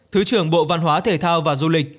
thứ trưởng bộ văn hóa thể thao và du lịch